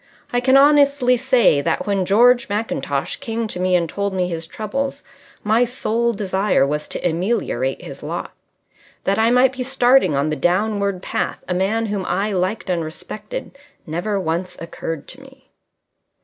I can honestly say that, when George Mackintosh came to me and told me his troubles, my sole desire was to ameliorate his lot. That I might be starting on the downward path a man whom I liked and respected never once occurred to me.